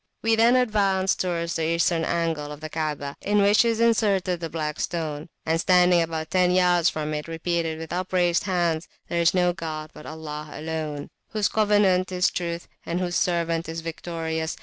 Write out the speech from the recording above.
We then advanced towards the eastern angle of the Kaabah, in which is inserted the Black Stone; and, standing about ten yards from it, repeated with upraised hands, There is no god but Allah alone, Whose Covenant is Truth, and Whose Servant is Victorious.